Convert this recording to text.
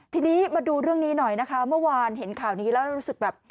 ทีนี้มาดูเรื่องนี้หน่อยนะคะเมื่อวานเห็นข่าวนี้แล้วรู้สึกแบบ